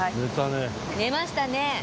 寝ましたね。